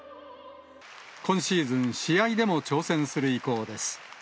今シーズン、試合でも挑戦する意向です。